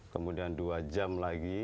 kemudian dua jam lagi